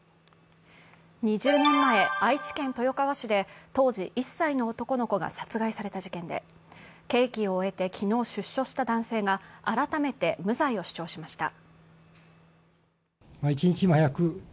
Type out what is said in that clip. ２０年前、愛知県豊川市で当時１歳の男の子が殺害された事件で刑期を終えて昨日出所した男性が改めて無罪を主張しました。